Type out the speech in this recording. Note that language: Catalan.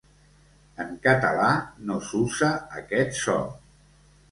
En català no s'usa aquest so.